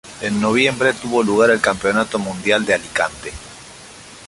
En noviembre tuvo lugar el Campeonato Mundial de Alicante.